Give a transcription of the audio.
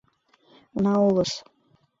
Уна улыс...